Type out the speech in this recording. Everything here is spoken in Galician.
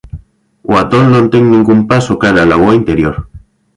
O atol non ten ningún paso cara á lagoa interior.